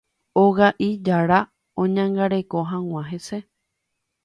oga'i jára oñangareko hag̃ua hese.